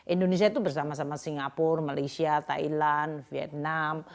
indonesia itu bersama sama singapura malaysia thailand vietnam